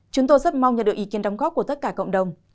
chúng tôi rất mong nhận được ý kiến đóng góp của tất cả cộng đồng